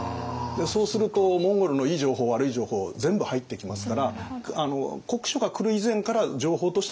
そうするとモンゴルのいい情報悪い情報全部入ってきますから国書が来る以前から情報としては入ってたと思います。